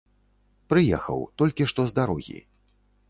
Прыехаў, толькі што з дарогі.